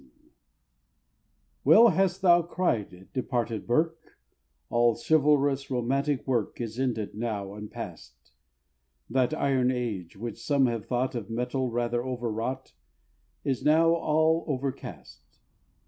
] Well hast thou cried, departed Burke, All chivalrous romantic work Is ended now and past! That iron age which some have thought Of metal rather overwrought Is now all overcast!